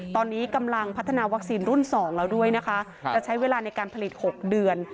ตอนนี้กำลังพัฒนาวัคซีนรุ่น๒แล้วด้วยนะคะจะใช้เวลาในการผลิต๖เดือน